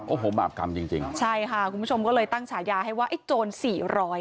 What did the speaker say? โอ้โหบาปกรรมจริงจริงใช่ค่ะคุณผู้ชมก็เลยตั้งฉายาให้ว่าไอ้โจรสี่ร้อย